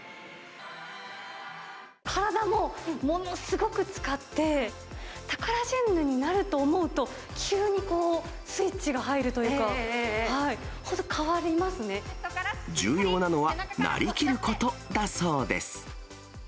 体も、ものすごく使って、タカラジェンヌになると思うと、急にこう、スイッチが入るという重要なのは、なりきることだそうです。